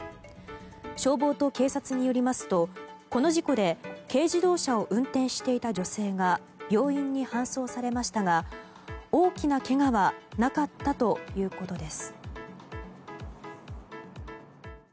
消防と警察によりますとこの事故で軽自動車を運転していた女性が病院に搬送されましたが大きなけがはなかったということです。